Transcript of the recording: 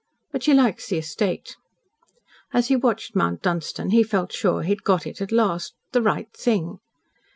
But she likes the estate." As he watched Mount Dunstan he felt sure he had got it at last the right thing.